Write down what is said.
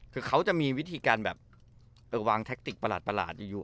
คือเขาจะมีวิธีการแบบวางแทคติกประหลาดอยู่